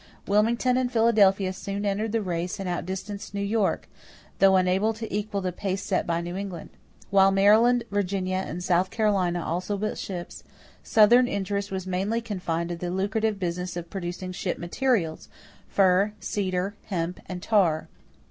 Wilmington and Philadelphia soon entered the race and outdistanced New York, though unable to equal the pace set by New England. While Maryland, Virginia, and South Carolina also built ships, Southern interest was mainly confined to the lucrative business of producing ship materials: fir, cedar, hemp, and tar.